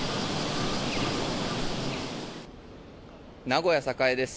名古屋栄です。